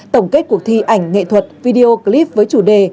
tổng kết cuộc thi ảnh nghệ thuật video clip với chủ đề